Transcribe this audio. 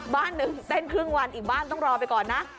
บ้านหนึ่งเต้นครึ่งวันอีกบ้านต้องรอไปก่อนนะ